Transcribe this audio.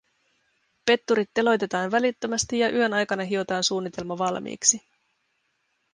Petturit teloitetaan välittömästi ja yön aikana hiotaan suunnitelma valmiiksi.